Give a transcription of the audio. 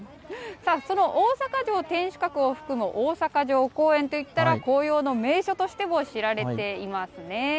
その、大阪城天守閣を含む大阪城公園と言ったら紅葉の名所としても知られていますね。